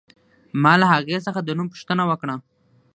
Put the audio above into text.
ما له هغې څخه د نوم پوښتنه وکړه